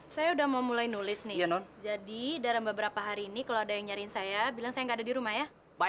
sampai jumpa di video selanjutnya